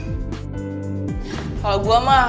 kalau gue mah